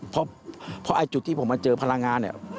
เพราะไอ้จุดที่ผมมาเจอพลังงานเนี่ย